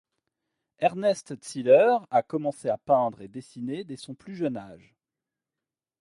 Ernest Ziller a commencé à peindre et dessiner dès son plus jeune âge.